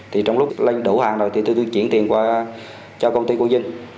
thì trong lúc lên đổ hàng rồi thì tôi chuyển tiền qua cho công ty quang dinh